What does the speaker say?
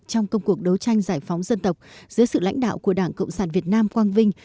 trong công cuộc đấu tranh giải phóng dân tộc dưới sự lãnh đạo của đảng cộng sản việt nam quang vinh